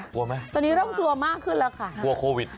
กลัวไหมตอนนี้เริ่มกลัวมากขึ้นแล้วค่ะกลัวโควิด